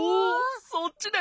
そっちね。